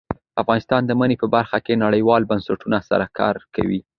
افغانستان د منی په برخه کې نړیوالو بنسټونو سره کار کوي.